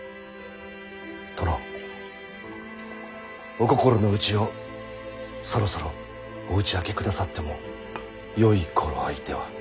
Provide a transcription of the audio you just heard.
お心の内をそろそろお打ち明けくださってもよい頃合いでは？